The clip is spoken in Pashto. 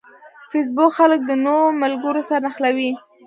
فېسبوک خلک د نوو ملګرو سره نښلوي